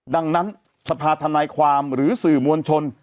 ดังนั้นสภาธนายความหรือสื่อมวลชน